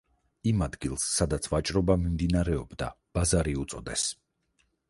იმ ადგილს, სადაც ვაჭრობა მიმდინარეობდა, „ბაზარი“ უწოდეს.